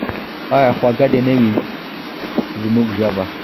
آیا خوږه دې نه وي زموږ ژبه؟